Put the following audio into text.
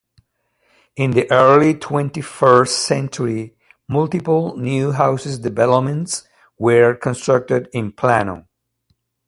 In the early twenty-first century, multiple new housing developments were constructed in Plano.